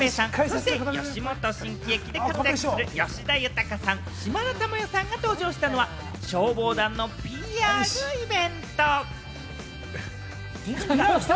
和牛さんと間寛平さん、そして吉本新喜劇で活躍する吉田裕さん、島田珠代さんが登場したのは消防団のＰＲイベント。